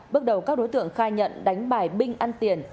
bước đầu các đối tượng khai nhận đánh bài binh ăn tiền